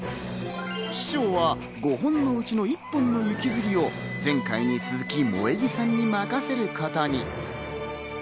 師匠は５本のうちの１本の雪吊りを前回に続き萌木さんに任せることに。